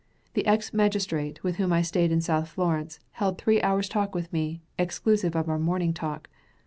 The ex magistrate, with whom I stayed in South Florence, held three hours' talk with me, exclusive of our morning talk.